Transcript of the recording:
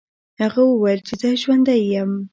هغه وویل چې زه ژوندی یم.